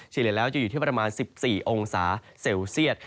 เฉลี่ยแล้วจะอยู่ที่ประมาณ๑๔องศาเซลเซียต